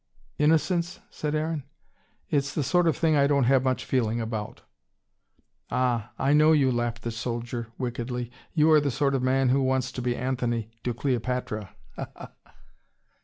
"Innocence?" said Aaron. "It's the sort of thing I don't have much feeling about." "Ah, I know you," laughed the soldier wickedly. "You are the sort of man who wants to be Anthony to Cleopatra. Ha ha!"